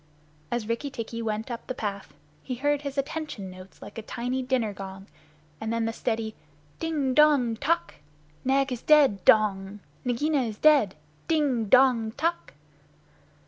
As Rikki tikki went up the path, he heard his "attention" notes like a tiny dinner gong, and then the steady "Ding dong tock! Nag is dead dong! Nagaina is dead! Ding dong tock!"